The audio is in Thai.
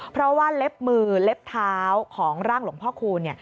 เพราะว่าเล็บมือเล็บเท้าของร่างหลวงพ่อคูณ